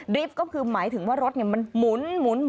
ริฟต์ก็คือหมายถึงว่ารถมันหมุน